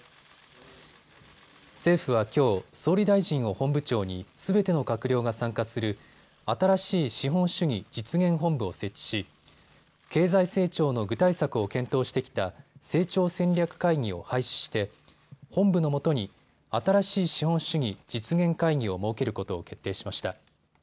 政府はきょう、総理大臣を本部長にすべての閣僚が参加する新しい資本主義実現本部を設置し、経済成長の具体策を検討してきた成長戦略会議を廃止して本部のもとに新しい資本主義実現会議を設けることを決定しました。